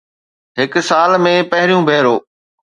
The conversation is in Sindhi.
هڪ سال ۾ پهريون ڀيرو